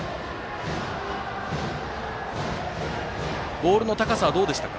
ボールの高さはどうでしたか？